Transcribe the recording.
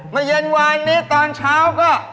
เย็นวานนี้ตอนเช้าก็